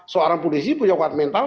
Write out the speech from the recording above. seorang polisi punya kuat mental